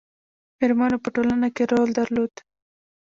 میرمنو په ټولنه کې رول درلود